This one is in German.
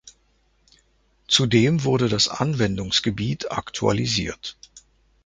Zudem wurde das Anwendungsgebiet aktualisiert.